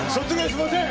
すみません。